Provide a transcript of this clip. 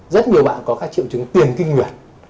rất nhiều bạn có các triệu chứng tiền kinh nguyệt